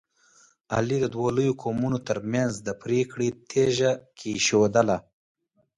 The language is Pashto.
علي د دوو لویو قومونو ترمنځ د پرېکړې تیږه کېښودله.